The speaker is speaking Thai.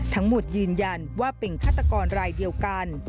ยืนยันว่าเป็นฆาตกรรายเดียวกัน